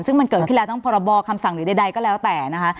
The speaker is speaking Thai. ซึ่งมันเกิดขึ้นแล้วทั้งพรบคำสั่งหรือใดก็แล้วแต่นะคะ